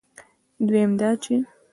دویم دا چې